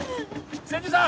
千住さん